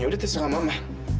yaudah terserah mama